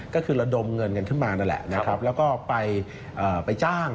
ก็คือระดมเงินกันขึ้นมานั่นแหละนะครับแล้วก็ไปจ้าง